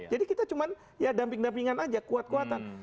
jadi kita cuma ya damping dampingan aja kuat kuatan